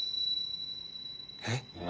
えっ？